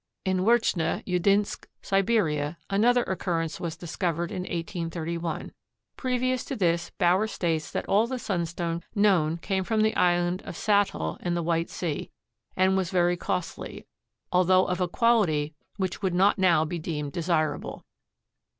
In Werchne Udinsk, Siberia, another occurrence was discovered in 1831. Previous to this Bauer states that all the sunstone known came from the Island of Sattel in the White Sea, and was very costly, although of a quality which would not now be deemed desirable.